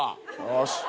よし。